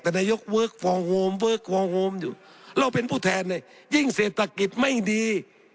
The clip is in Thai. แต่นายกเวิร์คฟอร์มโฮมเวิร์คฟอร์มโฮมอยู่เราเป็นผู้แทนเนี่ยยิ่งเศรษฐกิจไม่ดี